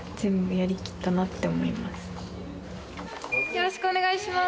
よろしくお願いします